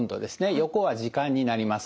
横は時間になります。